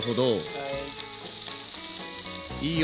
はい。